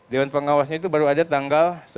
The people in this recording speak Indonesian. dewan pengawasnya itu baru ada tanggal